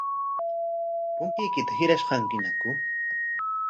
¿Punchuykita hirashqañaku?